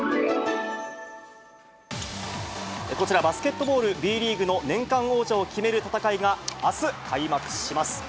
こちら、バスケットボールＢリーグの年間王者を決める戦いが、あす開幕します。